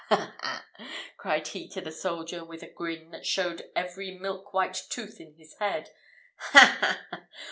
"Ha, ha, ha!" cried he to the soldier, with a grin, that showed every milk white tooth in his head; "Ha, ha, ha!